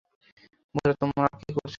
বন্ধুরা, তোমরা কী করছো?